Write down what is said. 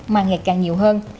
mà ngày càng nhiều hơn